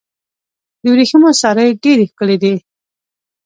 د ورېښمو سارۍ ډیرې ښکلې دي.